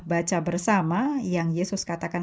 baca bersama yang yesus katakan